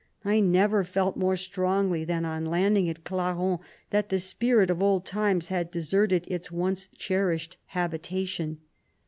I never felt more strongly than on land ing at Clarens, that the spirit of old times had deserted its once cherished habitation.